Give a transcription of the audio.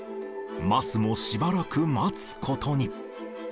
桝もしばらく待つことに。